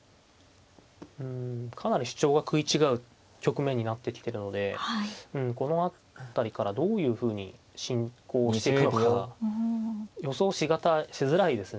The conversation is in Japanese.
かなり主張が食い違う局面になってきてるのでこの辺りからどういうふうに進行していくのかが予想しづらいですね。